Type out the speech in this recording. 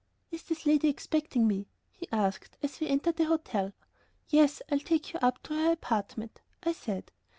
"Is this lady expecting me?" he asked, as we entered the hotel. "Yes, I'll take you up to her apartment," I said.